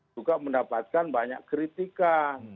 juga mendapatkan banyak kritika